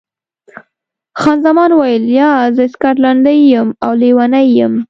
خان زمان وویل، یا، زه سکاټلنډۍ یم او لیونۍ یم.